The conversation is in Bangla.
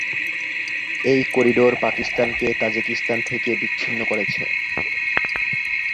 এই করিডোর পাকিস্তানকে তাজিকিস্তান থেকে বিচ্ছিন্ন করেছে।